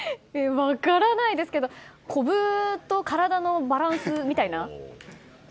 分からないですけどコブと体のバランスみたいな？